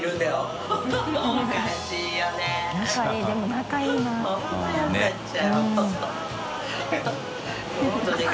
仲いいでも仲いいな。ねぇ。